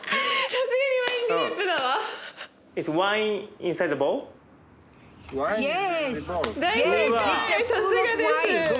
さすがです。